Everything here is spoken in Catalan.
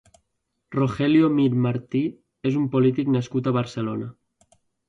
Rogelio Mir Marti és un polític nascut a Barcelona.